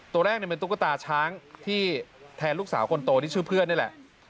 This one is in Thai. ตัวแรกเป็นตุ๊กตาช้างที่แทนลูกสาวคนโตที่ชื่อเพื่อนนี่แหละ